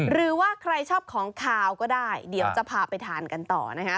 หรือว่าใครชอบของขาวก็ได้เดี๋ยวจะพาไปทานกันต่อนะคะ